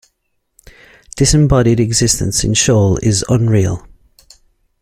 Disembodied existence in Sheol is unreal.